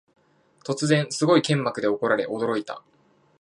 突然、すごい剣幕で怒鳴られ驚いた